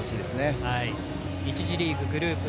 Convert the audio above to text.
１次リーグ、グループＢ